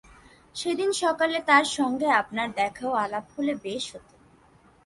সেদিন সকালে তাঁর সঙ্গে আপনার দেখা ও আলাপ হলে বেশ হত।